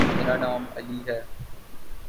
میرا نام علی ہے۔